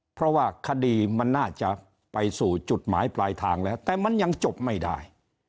เพราะว่าคดีมันน่าจะไปสู่จุดหมายปลายทางแล้วแต่มันยังจบไม่ได้